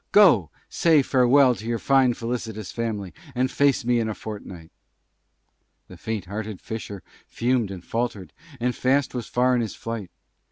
Go! Say Farewell to your Fine Felicitious Family, and Face me in a Fortnight!" The Faint hearted Fisher Fumed and Faltered, and Fast was Far in his Flight.